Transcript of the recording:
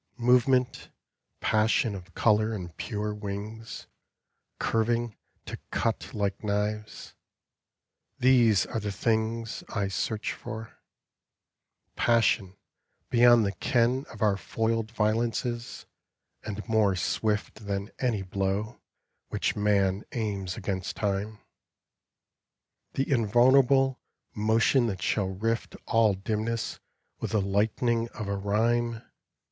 Movement, passion of colour and pure wings, Curving to cut like knives these are the things I search for : passion bevond the ken Of our foiled violences, and more swift Than any blow which man aims against tin The invulnerable, motion that shall rift All dimness with the liqhtninc of a rhyme, The Reef.